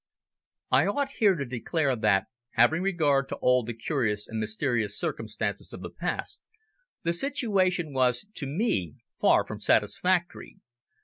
I ought here to declare that, having regard to all the curious and mysterious circumstances of the past, the situation was, to me, far from satisfactory.